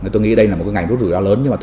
tôi nghĩ đây là một ngành rút rủi ro lớn